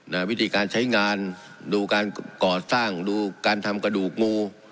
วิธีการใช้งานดูการก่อสร้างดูการทำกระดูกงู